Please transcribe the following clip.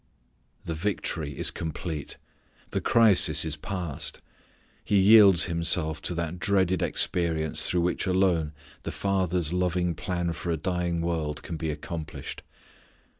The victory is complete. The crisis is past. He yields Himself to that dreaded experience through which alone the Father's loving plan for a dying world can be accomplished.